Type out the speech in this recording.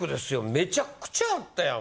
めちゃくちゃあったやん。